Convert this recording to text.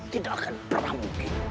tidak akan pernah mungkin